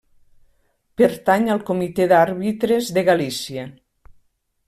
Pertany al Comitè d'Àrbitres de Galícia.